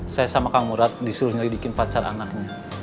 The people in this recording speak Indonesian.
saya sama kang murad disuruh nyelidikin pacar anaknya